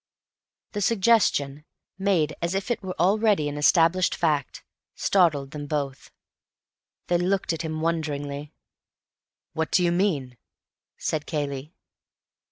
The suggestion, made as if it were already an established fact, startled them both. They looked at him wonderingly. "What do you mean?" said Cayley.